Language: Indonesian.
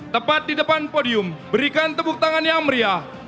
tepat di depan podium berikan tepuk tangan yang meriah